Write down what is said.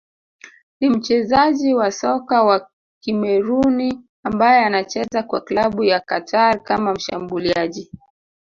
ni mchezaji wa soka wa Kameruni ambaye anacheza kwa klabu ya Qatar kama mshambuliaji